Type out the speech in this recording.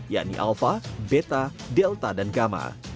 yakni alpha beta delta dan gamma